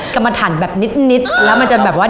กรรมถันแบบนิดแล้วมันจะแบบว่า